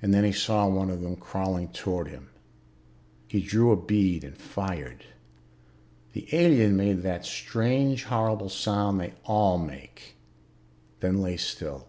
And then he saw one of them crawling toward him. He drew a bead and fired. The alien made that strange horrible sound they all make, then lay still.